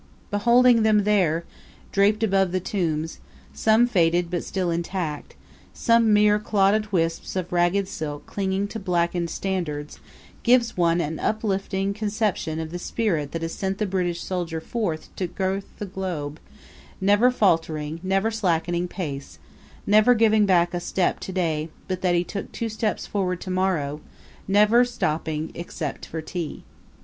Beholding them there, draped above the tombs, some faded but still intact, some mere clotted wisps of ragged silk clinging to blackened standards, gives one an uplifting conception of the spirit that has sent the British soldier forth to girth the globe, never faltering, never slackening pace, never giving back a step to day but that he took two steps forward to morrow; never stopping except for tea.